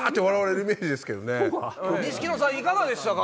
にしきのさんいかがでしたか？